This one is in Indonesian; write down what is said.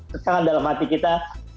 sekarang dalam hati kita